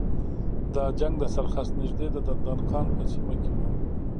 دا جنګ د سرخس نږدې د دندان قان په سیمه کې و.